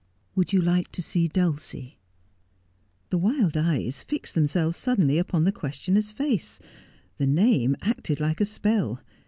' Would you like to 'see Dulcie 1 ' The wild eyes fixed themselves suddenly upon the ques tioner's face. The name acted like a spell.